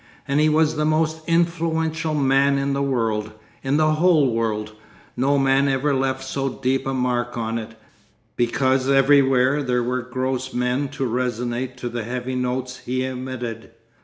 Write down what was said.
And he was the most influential man in the world, in the whole world, no man ever left so deep a mark on it, because everywhere there were gross men to resonate to the heavy notes he emitted.